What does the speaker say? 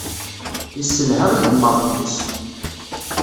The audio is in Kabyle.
Yesselha igmaḍ-nnes.